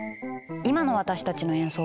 今の私たちの演奏はこう。